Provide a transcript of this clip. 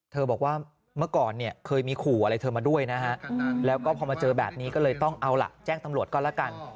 บอกว่าเมื่อก่อนเนี่ยเคยมีขู่อะไรเธอมาด้วยนะฮะแล้วก็พอมาเจอแบบนี้ก็เลยต้องเอาล่ะแจ้งตำรวจก็แล้วกัน